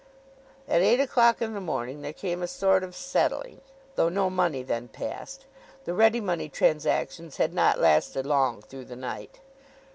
At eight o'clock in the morning there came a sort of settling, though no money then passed. The ready money transactions had not lasted long through the night.